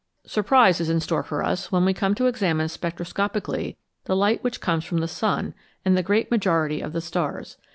Surprise is in store for us when we come to examine spectroscopically the light which comes from the sun and the great majority of the stars.